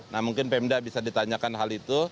nah mungkin pemda bisa ditanyakan hal itu